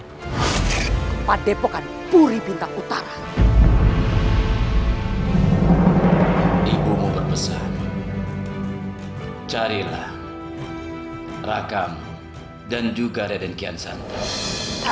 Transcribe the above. tidak tidak akan pernah kuserahkan kita pusaka padepokan argaliung kepada mereka